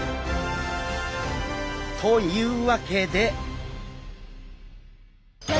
というわけで。